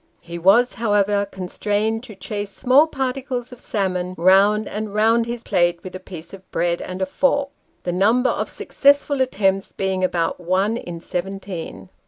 He was, however, constrained to chase small particles of salmon round and round his plate with a piece of bread and a fork, the number of successful attempts being about one in seventeen.